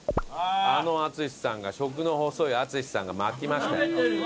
あの淳さんが食の細い淳さんが巻きましたよ。